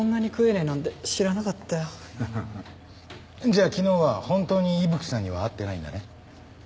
じゃあ昨日は本当に伊吹さんには会ってないんだね？